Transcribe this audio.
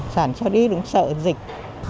sản xuất ít cũng sợ dịch